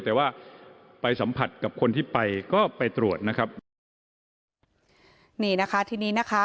แต่ว่าไปสัมผัสกับคนที่ไปก็ไปตรวจนะครับ